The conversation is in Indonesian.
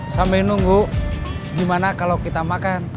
sambil nunggu gimana kalau kita makan